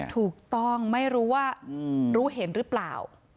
ถูกต้องไม่รู้ว่ารู้เห็นหรือเปล่า